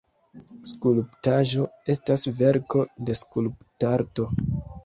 Skulptaĵo estas verko de skulptarto.